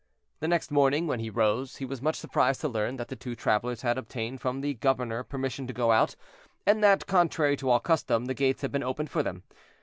The next morning when he rose, he was much surprised to learn that the two travelers had obtained from the governor permission to go out; and that, contrary to all custom, the gates had been opened for them.